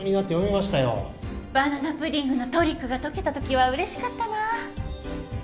バナナプディングのトリックが解けたときはうれしかったなぁ。